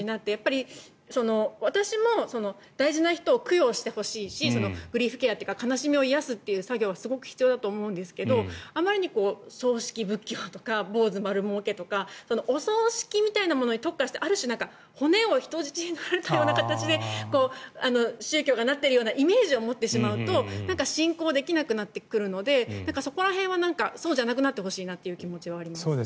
私も大事な人を供養してほしいしグリーフケアというかすごく必要だと思うんですけどあまりに葬式、仏教とか坊主丸もうけとかお葬式みたいなものに特化してある種、骨を人質に取られるような形で宗教がなっているようなイメージを持ってしまうと信仰できなくなってくるのでそこら辺はそうじゃなくなってほしいという気持ちはあります。